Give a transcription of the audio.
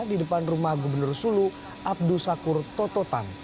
di depan rumah gubernur sulu abdusakur tototan